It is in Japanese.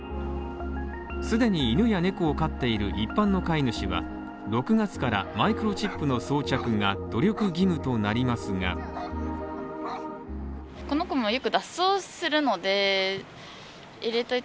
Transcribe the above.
既に犬や猫を飼っている一般の飼い主は６月から、マイクロチップの装着が努力義務となりますがただ一方でこんな声も。